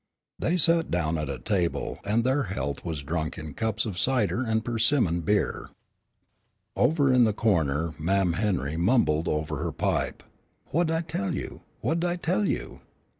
They sat down at a table, and their health was drunk in cups of cider and persimmon beer. Over in the corner Mam' Henry mumbled over her pipe, "Wha'd I tell you? wha'd I tell you?"